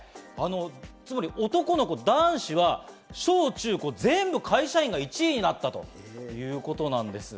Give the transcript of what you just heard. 男の子、男子は小・中・高、全て会社員が１位になったということなんです。